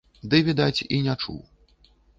Ды, відаць, і не чуў.